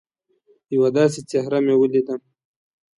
یوه داسي څهره مې ولیده